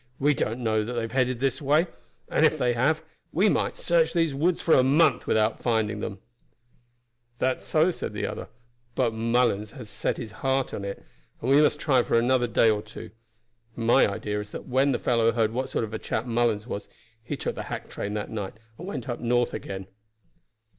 "We don't know that they have headed this way; and if they have, we might search these woods for a month without finding them." "That's so," the other said; "but Mullens has set his heart on it, and we must try for another day or two. My idea is that when the fellow heard what sort of a chap Mullens was, he took the hack train that night and went up north again."